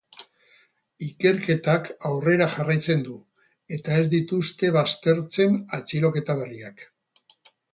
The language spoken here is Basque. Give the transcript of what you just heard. Ikerketak aurrera jarraitzen du eta ez dituzte baztertzen atxiloketa berriak.